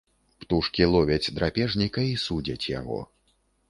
Птушкі ловяць драпежніка і судзяць яго.